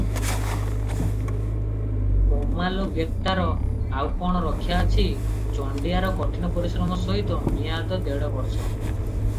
ବମାଲ ଗ୍ରେପ୍ତାର, ଆଉ କଣ ରକ୍ଷା ଅଛି, ଚଣ୍ଡିଆର କଠିନ ପରିଶ୍ରମ ସହିତ ମିଆଦ ଦେଢ଼ ବର୍ଷ ।